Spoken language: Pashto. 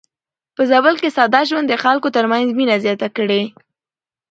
په زابل کې ساده ژوند د خلکو ترمنځ مينه زياته کړې.